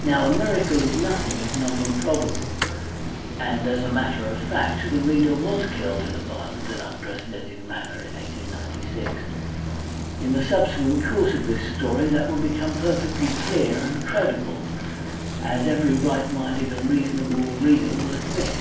Now a miracle is nothing if not improbable, and as a matter of fact the reader was killed in a violent and unprecedented manner in 1896. In the subsequent course of this story that will become perfectly clear and credible, as every right minded and reasonable reader will admit.